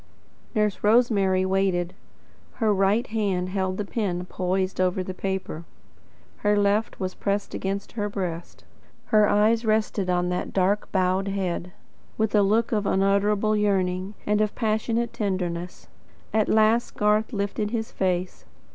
Nurse Rosemary waited. Her right hand held the pen poised over the paper. Her left was pressed against her breast. Her eyes rested on that dark bowed head, with a look of unutterable yearning and of passionate tenderness. At last Garth lifted his face.